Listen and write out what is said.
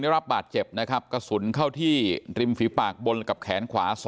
ได้รับบาดเจ็บนะครับกระสุนเข้าที่ริมฝีปากบนกับแขนขวา